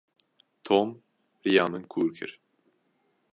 Tom riya min kur kir.